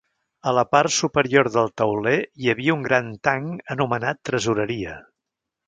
A la part superior del tauler hi havia un gran tanc anomenat tresoreria.